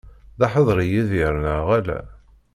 D aḥedri Yidir, neɣ ala?